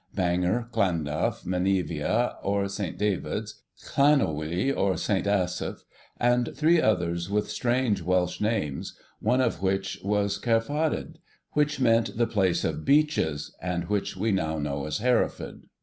Bangor, Llandaff, Menevia or St. Davids, Llanelwy or St. Asaph, and three others with strange Welsh names, one of which was Cærffawydd, which meant the 'place of beeches,' and which we now know as Hereford.